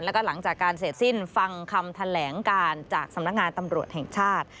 แล้วก็หลังจากการเสร็จสิ้นฟังคำแถลงการจากสำนักงานตำรวจแห่งชาติ